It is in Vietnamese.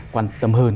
quan tâm hơn